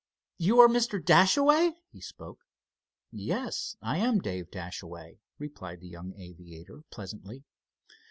"You are Mr. Dashaway?" he spoke. "Yes, I am Dave Dashaway," replied the young aviator, pleasantly.